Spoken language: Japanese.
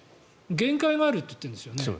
限界があると言っているんですよね。